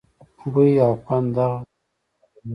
بوۍ او خوند دغه غدې فعالوي.